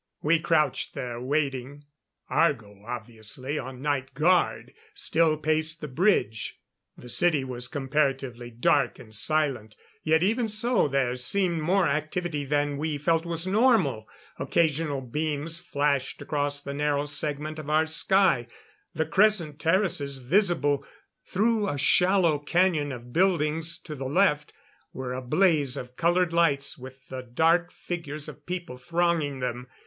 We crouched there, waiting. Argo obviously on night guard still paced the bridge. The city was comparatively dark and silent; yet even so, there seemed more activity than we felt was normal. Occasional beams flashed across the narrow segment of our sky. The crescent terraces, visible through a shallow canyon of buildings to the left, were a blaze of colored lights with the dark figures of people thronging them.